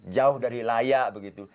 jauh dari layak begitu